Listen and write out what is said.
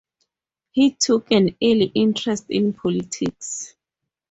He took an early interest in politics.